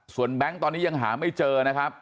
แบงค์ตอนนี้ยังหาไม่เจอนะครับ